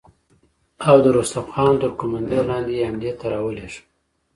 او د رستم خان تر قوماندې لاندې يې حملې ته را ولېږه.